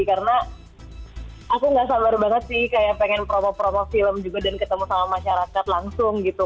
karena aku gak sabar banget sih kayak pengen promo promo film juga dan ketemu sama masyarakat langsung gitu